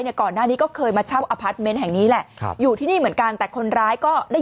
เนี่ยก่อนหน้านี้ก็เคยมาเช่าแห่งนี้แหละครับอยู่ที่นี่เหมือนกันแต่คนร้ายก็ได้